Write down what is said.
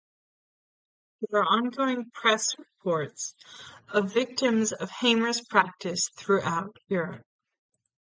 There are ongoing press reports of victims of Hamer's practice throughout Europe.